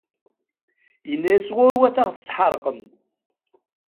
Yenna-yas ɣur-wat ad ɣ-tessḥeqrem.